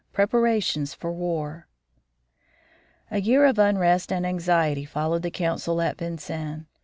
PREPARATIONS FOR WAR A year of unrest and anxiety followed the council at Vincennes.